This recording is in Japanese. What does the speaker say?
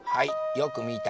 よくみた。